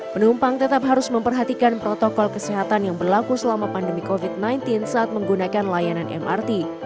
penumpang tetap harus memperhatikan protokol kesehatan yang berlaku selama pandemi covid sembilan belas saat menggunakan layanan mrt